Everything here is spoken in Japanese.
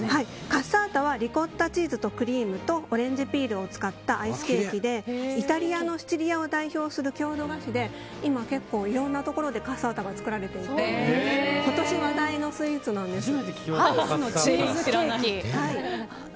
カッサータはリコッタチーズとクリームとオレンジピールを使ったアイスケーキでイタリアのシチリアを代表する郷土菓子で今結構いろんなところでカッサータが使われていて今年話題のスイーツなんです。